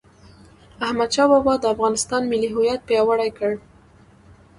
احمدشاه بابا د افغانستان ملي هویت پیاوړی کړ..